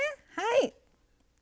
はい。